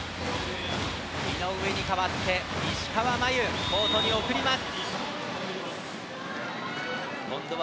井上に代わって石川真佑をコートに送ります。